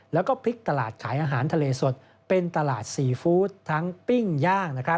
แล้วก็พลิกตลาดขายอาหารทะเลสดเป็นตลาดซีฟู้ดทั้งปิ้งย่าง